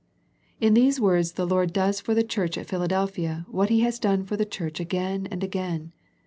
In these words the Lord does for the church at Philadelphia what He has done for the Church again and again.